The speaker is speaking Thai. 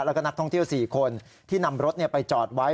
แล้วก็นักท่องเที่ยว๔คนที่นำรถไปจอดไว้